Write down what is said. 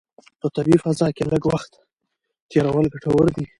په طبیعي فضا کې لږ وخت تېرول ګټور دي.